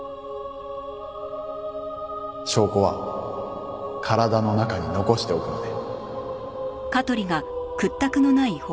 証拠は体の中に残しておくので。